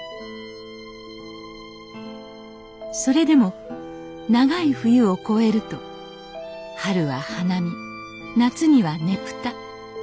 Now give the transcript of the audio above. それでも長い冬を越えると春は花見夏にはねぷた。